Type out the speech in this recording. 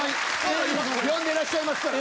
呼んでらっしゃいますから。